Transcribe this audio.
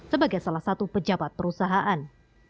sebagai salah satu pejabat perusahaan